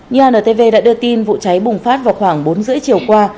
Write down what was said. nhà ntv đã đưa tin vụ cháy bùng phát vào khoảng bốn h ba mươi chiều qua